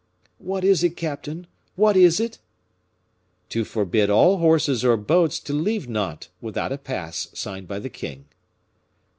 "What is it, captain? what is it?" "To forbid all horses or boats to leave Nantes, without a pass, signed by the king."